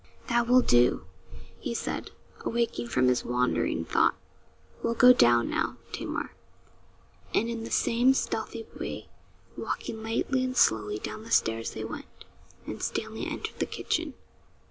'That will do,' he said, awaking from his wandering thought. 'We'll go down now, Tamar.' And in the same stealthy way, walking lightly and slowly, down the stairs they went, and Stanley entered the kitchen.